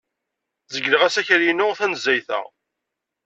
Zegleɣ asakal-inu tanezzayt-a.